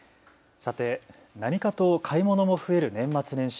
さて何かと買い物の増える年末年始。